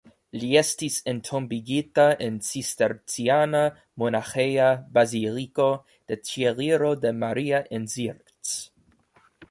Li estis entombigita en Cisterciana Monaĥeja Baziliko de Ĉieliro de Maria en Zirc.